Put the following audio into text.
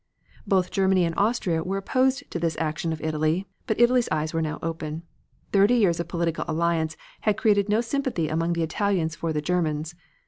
Both Germany and Austria were opposed to this action of Italy, but Italy's eyes were now open. Thirty years of political alliance had created no sympathy among the Italians for the Germans.